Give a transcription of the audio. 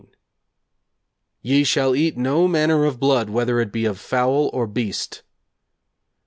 'Ye shall eat no manner of blood, whether it be of fowl, or beast.'